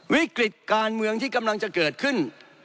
วิกฤตการเมืองที่กำลังจะเกิดขึ้น